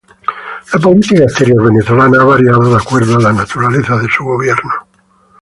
La política exterior venezolana ha variado de acuerdo a la naturaleza de su gobierno.